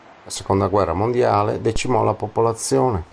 La Seconda guerra mondiale decimò la popolazione.